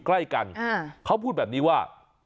ใกล้กันเขาพูดแบบนี้ว่า